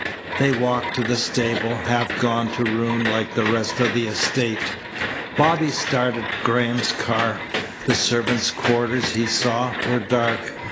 They walked to the stable, half gone to ruin like the rest of the estate. Bobby started Graham's car. The servants' quarters, he saw, were dark.